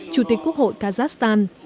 chủ tịch quốc hội kazakhstan